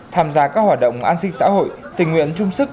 tham gia các hoạt động an sinh xã hội tình nguyện chung sức